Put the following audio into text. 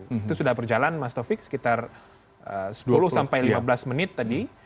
itu sudah berjalan mas taufik sekitar sepuluh sampai lima belas menit tadi